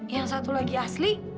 yang satu lagi asli